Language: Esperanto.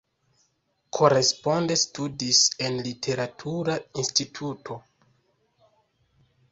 Koresponde studis en Literatura Instituto.